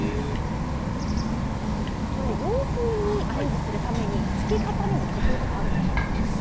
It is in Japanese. これ、洋風にアレンジするために漬け方にも工夫とかあるんでしょうか。